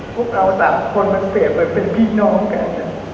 พวกเราสามคนมันเปลี่ยนไปเป็นพี่น้องกัน